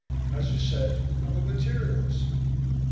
As you said, I'm a materialist."